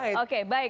oke baik baik